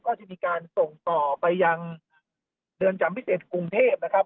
ก็จะมีการส่งต่อไปยังเรือนจำพิเศษกรุงเทพนะครับ